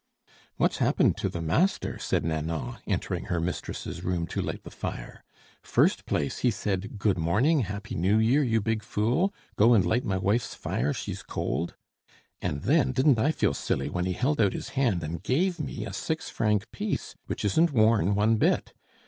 "What's happened to the master?" said Nanon, entering her mistress's room to light the fire. "First place, he said, 'Good morning; happy New Year, you big fool! Go and light my wife's fire, she's cold'; and then, didn't I feel silly when he held out his hand and gave me a six franc piece, which isn't worn one bit?